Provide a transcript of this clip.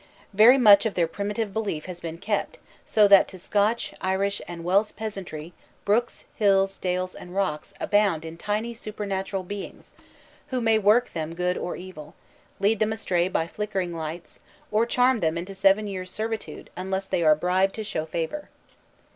Very much of their primitive belief has been kept, so that to Scotch, Irish, and Welsh peasantry brooks, hills, dales, and rocks abound in tiny supernatural beings, who may work them good or evil, lead them astray by flickering lights, or charm them into seven years' servitude unless they are bribed to show favor.